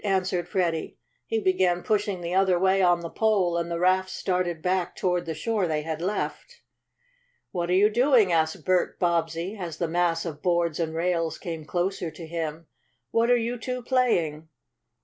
answered Freddie. He began pushing the other way on the pole and the raft started back toward the shore they had left. "What are you doing?" asked Bert Bobbsey, as the mass of boards and rails came closer to him. "What are you two playing?"